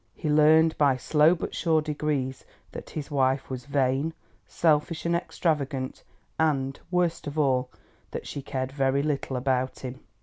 He learned by slow but sure degrees that his wife was vain, selfish and extravagant, and, worst of all, that she cared very little about him.